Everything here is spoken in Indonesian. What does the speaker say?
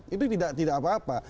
itu tidak apa apa